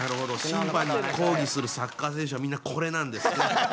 審判にこうぎするサッカー選手はみんなこれなんですね。